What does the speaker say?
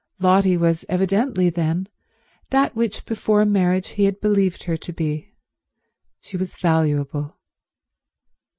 Lotty was evidently, then, that which before marriage he had believed her to be—she was valuable.